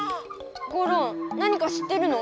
ゴロン何か知ってるの？